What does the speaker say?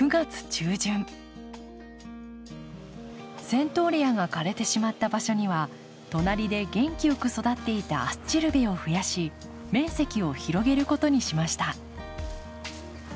セントーレアが枯れてしまった場所には隣で元気よく育っていたアスチルベを増やし面積を広げることにしました。